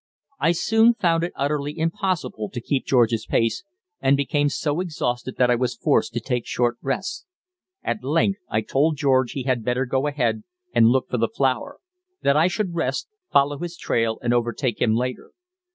I soon found it utterly impossible to keep George's pace, and became so exhausted that I was forced to take short rests. At length I told George he had better go ahead and look for the flour; that I should rest, follow his trail and overtake him later.